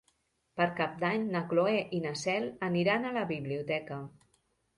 Per Cap d'Any na Cloè i na Cel aniran a la biblioteca.